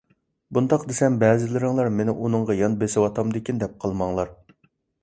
بۇنداق دېسەم بەزىلىرىڭلار مېنى ئۇنىڭغا يان بېسىۋاتامدىكىن دەپ قالماڭلار.